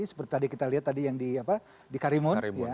seperti tadi kita lihat tadi yang di karimun